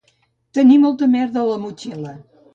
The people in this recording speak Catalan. Tenir molta merda a la motxila